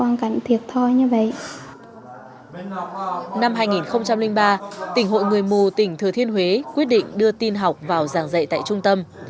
năm hai nghìn ba tỉnh hội người mù tỉnh thừa thiên huế quyết định đưa tin học vào giảng dạy tại trung tâm